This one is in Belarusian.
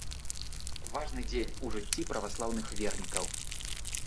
Важны дзень у жыцці праваслаўных вернікаў.